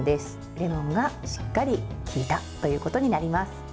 レモンがしっかりきいたということになります。